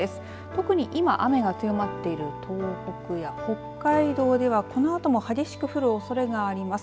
特に今、雨が強まっている東北や北海道ではこのあとも激しく降るおそれがあります。